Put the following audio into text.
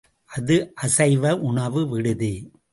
அது அசைவ உணவு விடுதி.